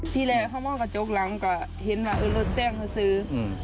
ที่แรกเขามองกระจกหลังก็เห็นว่าเออรถแซ่งเขาซื้อ